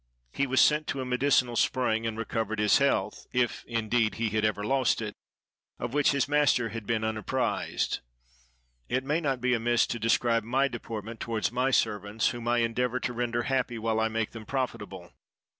He was sent to a medicinal spring and recovered his health, if, indeed, he had ever lost it, of which his master had been unapprised. It may not be amiss to describe my deportment towards my servants, whom I endeavor to render happy while I make them profitable.